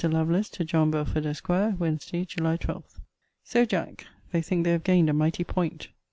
LOVELACE, TO JOHN BELFORD, ESQ. WEDN. JULY 12. So, Jack, they think they have gained a mighty point.